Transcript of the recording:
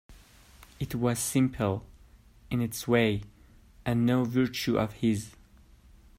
It was simple, in its way, and no virtue of his.